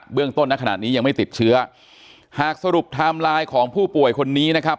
เรื่องต้นในขณะนี้ยังไม่ติดเชื้อหากสรุปไทม์ไลน์ของผู้ป่วยคนนี้นะครับ